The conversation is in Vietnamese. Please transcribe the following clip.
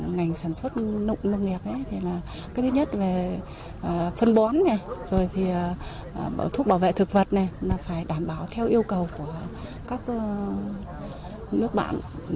ngành sản xuất nông nghiệp cái thứ nhất là phân bón thuốc bảo vệ thực vật phải đảm bảo theo yêu cầu của các nước bạn